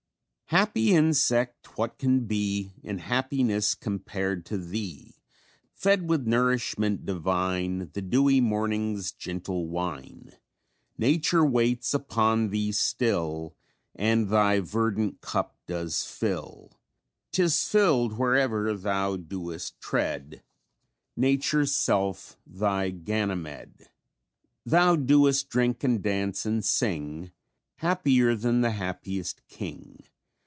"Happy insect, what can be In happiness compared to thee? Fed with nourishment divine, The dewy morning's gentle wine! "_Nature waits upon thee still, And thy verdant cup does fill; 'Tis filled wherever thou doest tread Nature's self thy Ganymede._ "_Thou doest drink and dance and sing, Happier than the happiest king!